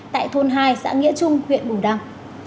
tại thôn hai xã nghĩa trung huyện bù đăng